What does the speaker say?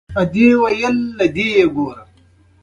افغانستان د بزګان په برخه کې نړیوالو بنسټونو سره کار کوي.